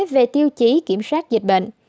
về tiêu chí kiểm soát dịch bệnh